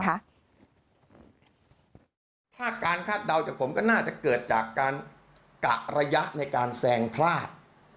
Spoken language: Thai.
ถ้าการคาดเดาจากผมก็น่าจะเกิดจากการกะระยะในการแซงพลาด